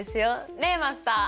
ねっマスター！